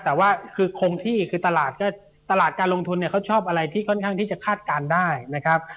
แต่ว่าคือคงที่คือตลาดก็ตลาดการลงทุนเนี่ยเขาชอบอะไรที่ค่อนข้างที่จะคาดการณ์ได้นะครับ